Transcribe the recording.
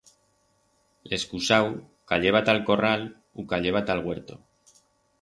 El escusau cayeba ta'l corral u cayeba ta'l huerto.